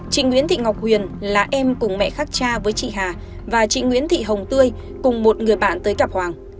chị nguyễn thị ngọc huyền là em cùng mẹ khắc cha với chị hà và chị nguyễn thị hồng tươi cùng một người bạn tới gặp hoàng